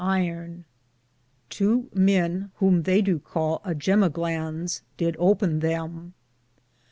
iron ; tow men, whom they do cale jemeglans,^ did open them.